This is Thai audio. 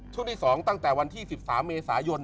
ช่วงที่๒ตั้งแต่วันที่๑๓เมษายน